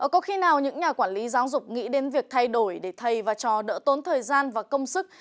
có khi nào những nhà quản lý giáo dục nghĩ đến việc thay đổi để thầy và trò đỡ tốn thời gian và công sức